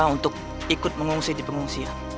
untuk ikut mengungsi di pengungsian